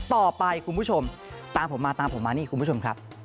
ต่อไปคุณผู้ชมตามผมมาตามผมมานี่คุณผู้ชมครับ